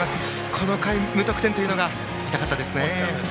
この回、無得点というのが痛かった。